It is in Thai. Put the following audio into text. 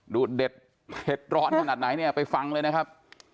เด็ดเผ็ดร้อนขนาดไหนเนี่ยไปฟังเลยนะครับ